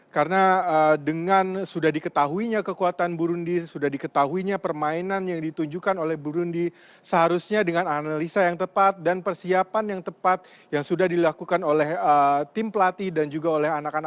karena dengan sudah diketahuinya kekuatan burundi sudah diketahuinya permainan yang ditunjukkan oleh burundi seharusnya dengan analisa yang tepat dan persiapan yang tepat yang sudah dilakukan oleh tim pelatih dan juga oleh anak anak asuhnya